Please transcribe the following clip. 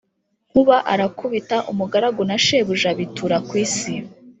Nkuba arakubita, umugaragu na shebuja bitura ku isi.